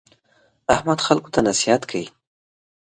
احمد خلکو ته نصیحت کوي.